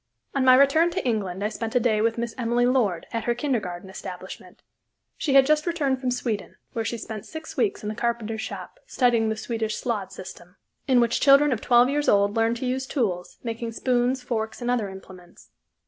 On my return to England I spent a day with Miss Emily Lord, at her kindergarten establishment. She had just returned from Sweden, where she spent six weeks in the carpenter's shop, studying the Swedish Slöjd system, in which children of twelve years old learn to use tools, making spoons, forks, and other implements.